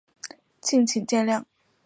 敬请见谅